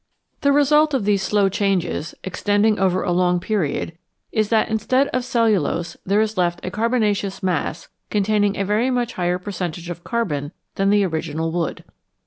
The result of these slow changes extending over a long period is that instead of cellulose there is left a carbonaceous mass containing a veiy much higher per centage of carbon than the original wood.